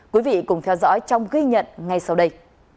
quý vị cùng theo dõi trong ghi nhận ngay sau đây